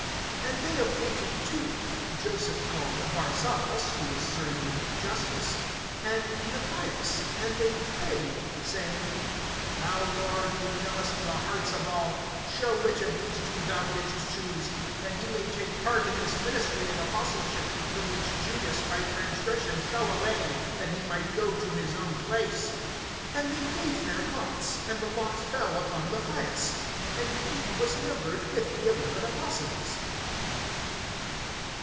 (23)And they appointed two, Joseph called Barsabas, who was surnamed Justus, and Matthias. (24)And they prayed, saying: Thou, Lord, who knowest the hearts of all, show which of these two thou didst choose, (25)that he may take part in this ministry and apostleship, from which Judas by transgression fell away, that he might go to his own place. (26)And they gave their lots[1:26]; and the lot fell upon Matthias; and he was numbered with the eleven apostles.